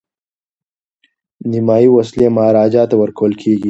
نیمایي وسلې مهاراجا ته ورکول کیږي.